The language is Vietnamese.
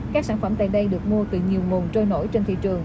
các sản phẩm tại đây được mua từ nhiều nguồn trôi nổi trên thị trường